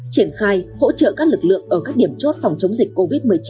triển khai hỗ trợ các lực lượng ở các điểm chốt phòng chống dịch covid một mươi chín